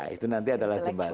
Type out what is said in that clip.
itu nanti adalah jembatan